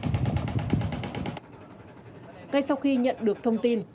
ngay sau khi nhận được thông tin